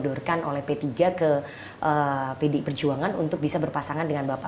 di sodol kan oleh p tiga ke pd perjuangan untuk bisa berpasangan dengan bapak